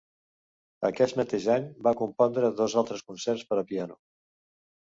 Aquest mateix any va compondre dos altres concerts per a piano.